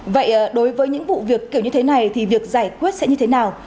vậy đối với những vụ việc kiểu như thế này thì việc giải quyết sẽ như thế nào